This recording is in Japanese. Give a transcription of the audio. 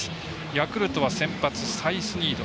ヤクルトは先発サイスニード。